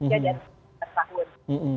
jadi ada sepuluh tahun